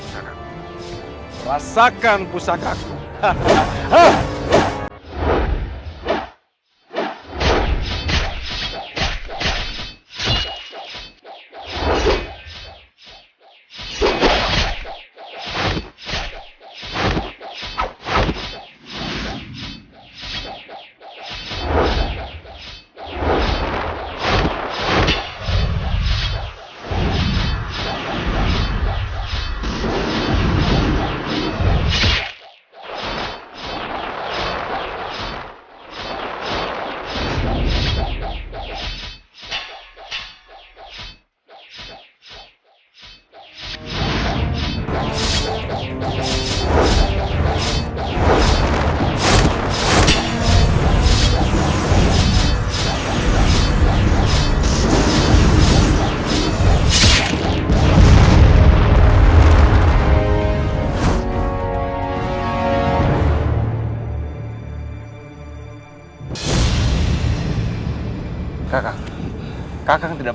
kakak kakak tidak bapak